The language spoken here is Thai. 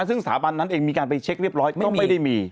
ซึ่งสถาบันนั้นเองมีการไปเช็คเรียบร้อยก็ไม่ได้มี